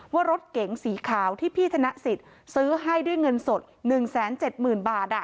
ว่ารถเก๋งสีขาวที่พี่ธนาศิษย์ซื้อให้ด้วยเงินสด๑แสน๗หมื่นบาทอ่ะ